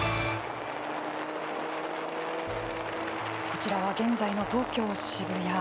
こちらは現在の東京・渋谷。